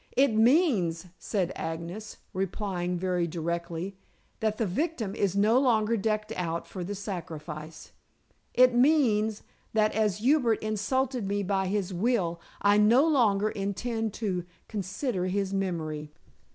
"It means," said Agnes, replying very directly, "that the victim is no longer decked out for the sacrifice. It means, that as Hubert insulted me by his will, I no longer intend to consider his memory."